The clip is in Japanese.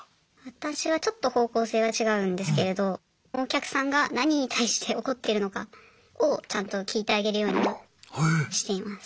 私はちょっと方向性が違うんですけれどお客さんが何に対して怒ってるのかをちゃんと聞いてあげるようにはしています。